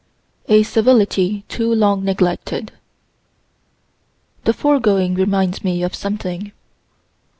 A CIVILITY TOO LONG NEGLECTED The foregoing reminds me of something.